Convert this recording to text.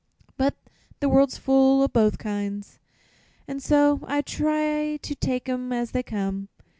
But the world's full o' both kinds, and so I try to take 'em as they come.